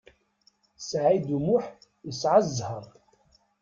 Saɛid U Muḥ yesɛa zzheṛ.